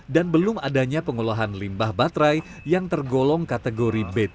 dan belum adanya pengolahan limbah baterai yang tergolong kategori b tiga